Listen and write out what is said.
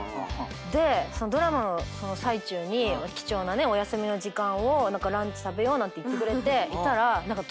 でそのドラマの最中に貴重なお休みの時間を「ランチ食べよう」なんて言ってくれていたら。